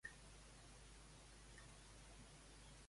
Va seguir estudiant allà més endavant?